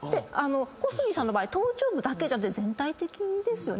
小杉さんの場合頭頂部だけじゃなくて全体的ですよね。